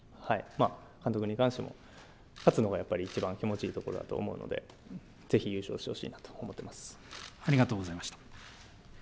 監督に関しても、勝つのが、やっぱりいちばん気持ちがいいところだと思うので、ぜひ優勝してほしいなと思っています。